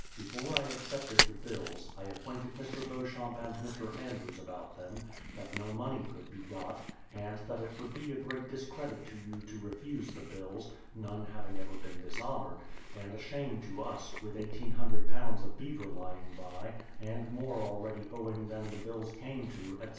Before I accepted the bills, I acquainted Air. Beauchamp and Air. Andrews about them, that no money could be got, and that It would be a great discredit to you to refuse the bills, — none having ever been dishonoured, — and a shame to us, with 1800 lbs. of beaver lying by, and more already owing than the bills came to, etc.